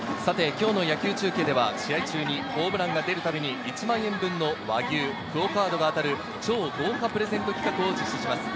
今日の野球中継では、試合中にホームランが出るたびに１万円分の和牛・ＱＵＯカードが当たる超豪華プレゼント企画を実施します。